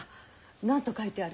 何と書いてある？